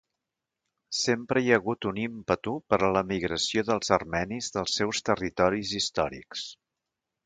Sempre hi ha hagut un ímpetu per a l'emigració dels armenis dels seus territoris històrics.